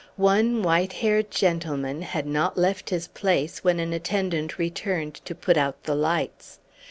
One white haired gentleman had not left his place when an attendant returned to put out the lights.